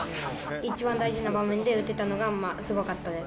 一番大事な場面で打てたのが、すごかったです。